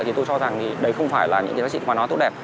thì tôi cho rằng đấy không phải là những cái gì mà nó tốt đẹp